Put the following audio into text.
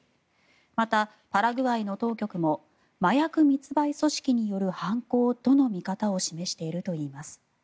また、パラグアイの当局も麻薬密売組織による犯行との見方を示しているといいます。